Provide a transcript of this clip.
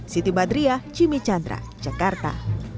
siti badriah jimmy chandra jakarta